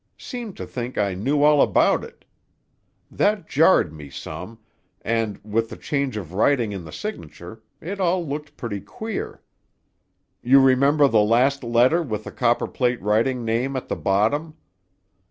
Seemed to think I knew all about it. That jarred me some. And, with the change of writing in the signature, it all looked pretty queer. You remember the last letter with the copperplate writing name at the bottom?